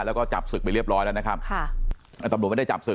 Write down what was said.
แล้วก็จับศึกไปเรียบร้อยแล้วนะครับ